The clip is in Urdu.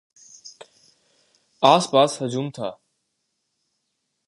آس پاس ہجوم تھا۔